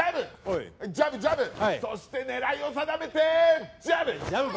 そして狙いを定めてジャブ！